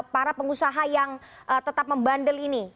para pengusaha yang tetap membandel ini